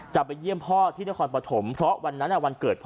จะไปเยี่ยมพ่อที่นครปฐมเพราะวันนั้นวันเกิดพ่อ